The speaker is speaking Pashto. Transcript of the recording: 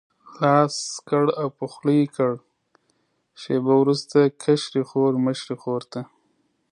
لاس کړ او په خوله یې کړ، شېبه وروسته کشرې خور مشرې ته.